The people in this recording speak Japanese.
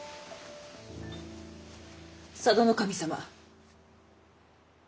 佐渡守様。